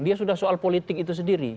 dia sudah soal politik itu sendiri